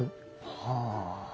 はあ。